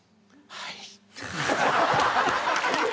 「はい」